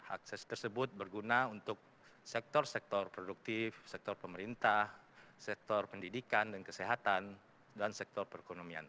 akses tersebut berguna untuk sektor sektor produktif sektor pemerintah sektor pendidikan dan kesehatan dan sektor perekonomian